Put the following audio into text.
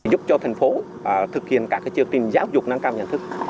giúp cho thành phố thực hiện các chương trình giáo dục nâng cao nhận thức